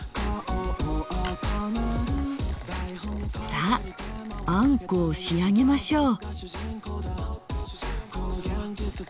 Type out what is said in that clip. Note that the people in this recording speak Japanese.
さああんこを仕上げましょう。